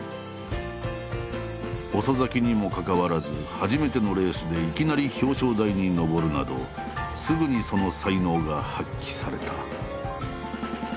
遅咲きにもかかわらず初めてのレースでいきなり表彰台にのぼるなどすぐにその才能が発揮された。